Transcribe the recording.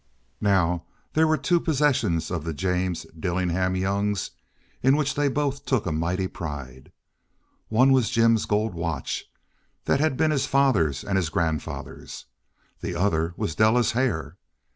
Now, there were two possessions of the James Dillingham Youngs in which they both took a mighty pride. One was Jim's gold watch that had been his father's and his grandfather's. The other was Della's hair.